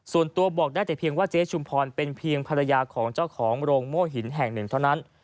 ส่วนตัวบอกได้แต่เพียงว่าเจ๊ชุมพรเป็นเพียงภรรยาของเจ้าของโรงโม่หินแห่งหนึ่งเท่านั้น